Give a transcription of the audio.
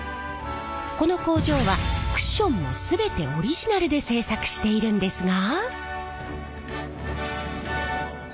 この工場はクッションも全てオリジナルで製作しているんですが。